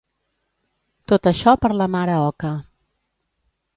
Tot això per la mare oca.